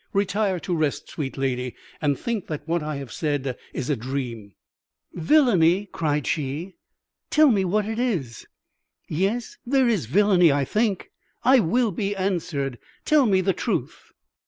Retire to rest, sweet lady, and think that what I have said is a dream.' "'Villainy!' cried she. 'Tell me what it is. Yes, there is villainy, I think. I will be answered! Tell me the truth!'